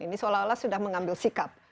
ini seolah olah sudah mengambil sikap